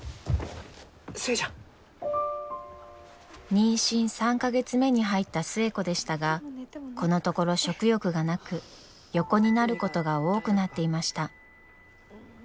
妊娠３か月目に入った寿恵子でしたがこのところ食欲がなく横になることが多くなっていました。